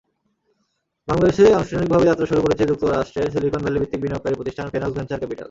বাংলাদেশে আনুষ্ঠানিকভাবে যাত্রা শুরু করেছে যুক্তরাষ্ট্রের সিলিকন ভ্যালি-ভিত্তিক বিনিয়োগকারী প্রতিষ্ঠান ফেনক্স ভেঞ্চার ক্যাপিটাল।